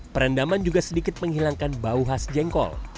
perendaman juga sedikit menghilangkan bau khas jengkol